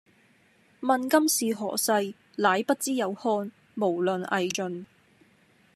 問今是何世，乃不知有漢，無論魏晉